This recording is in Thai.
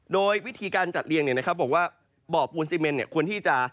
โดยวิธีการจัดเรียงบอกว่าบ่อปูนซีเมนควรที่จะ